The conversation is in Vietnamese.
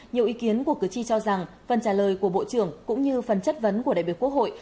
nhiều ý kiến của cử tri cho rằng phần trả lời của bộ trưởng cũng như phần chất vấn của đại biểu quốc hội